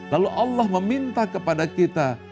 lalu allah meminta kepada kita